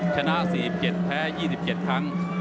ชนะ๔๗แพ้๒๗ครั้ง